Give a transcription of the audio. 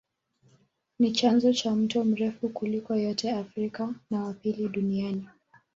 Ni chanzo cha mto mrefu kuliko yote Afrika na wa pili Duniani